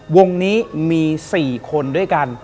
วงนี้มี๔คนด้วยกัน